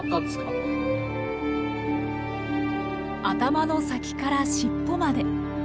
頭の先から尻尾まで。